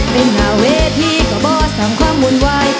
เป็นหาเวทีก็บ่ทำความวุ่นวาย